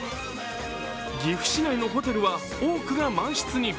岐阜市内のホテルは多くが満室に。